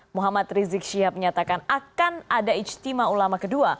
muhammad rizik syihab menyatakan akan ada ijtima ulama kedua